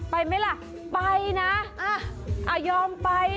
ไปมั้ยล่ะไปนะยอมไปนะ